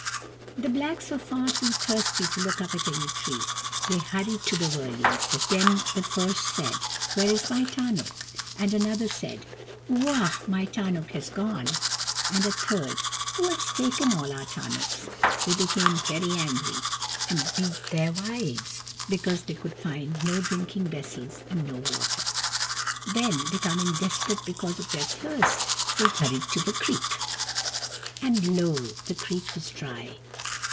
The blacks were far too thirsty to look up at any tree. They hurried to the wurleys. Then the first said, " Where is my tarnuk ?" and another said, " Wah ! my tarnuk has gone !" and a third, " Who has taken all our tarnuks ?" They became very angry, and beat their wives because they could find no drinking vessels and no water : then, becoming desperate because of their thirst, they KUR BO ROO, THE BEAR 225 hurried to the creek. And lo ! the creek was dry